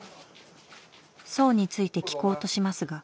荘について聞こうとしますが。